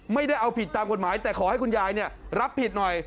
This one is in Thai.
ไม่ได้เอาผิดตามกฎหมายแต่ขอให้คุณยายรับผิดหน่อย